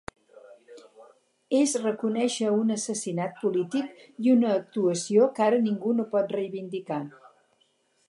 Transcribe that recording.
És reconèixer un assassinat polític i una actuació que ara ningú no pot reivindicar.